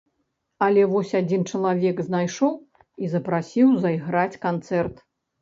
Але вось адзін чалавек знайшоў і запрасіў зайграць канцэрт.